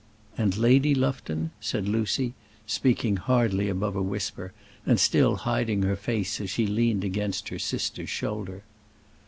"And Lady Lufton " said Lucy, speaking hardly above a whisper, and still hiding her face as she leaned against her sister's shoulder.